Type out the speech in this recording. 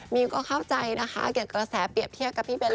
มิวก็เข้าใจนะคะเก็บกระแสเปรียบเทียบกับพี่เบล